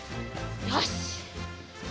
よし！